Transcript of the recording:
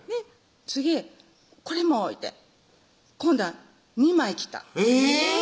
次「これも」言うて今度は２枚来たえぇ！